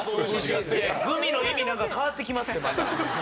グミの意味変わってきますってまた。